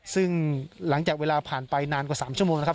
ซึ่งหลังจากเวลาผ่านไปนานกว่า๓ชั่วโมงนะครับ